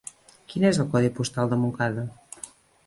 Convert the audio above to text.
Quin és el codi postal de Montcada?